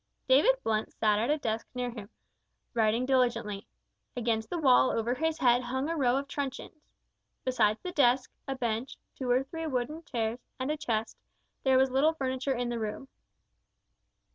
David Blunt sat at a desk near him, writing diligently. Against the wall over his head hung a row of truncheons. Besides the desk, a bench, two or three wooden chairs, and a chest, there was little furniture in the room.